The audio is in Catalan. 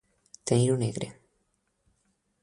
Tenir-ho negre.